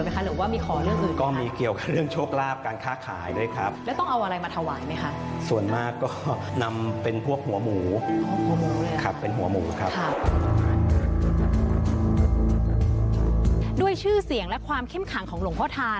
ด้วยชื่อเสียงและความเข้มขังของหลวงพ่อทาน